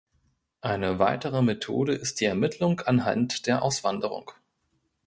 Eine weitere Methode ist die Ermittlung anhand der "Auswanderung".